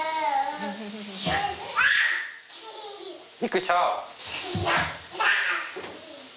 びっくりした！